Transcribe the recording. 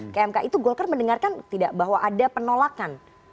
kmk itu golkar mendengarkan tidak bahwa ada penolakan